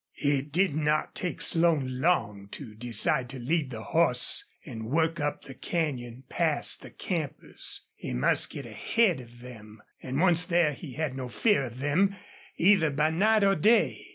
It did not take Slone long to decide to lead the horse and work up the canyon past the campers. He must get ahead of them, and once there he had no fear of them, either by night or day.